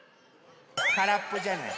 からっぽじゃない。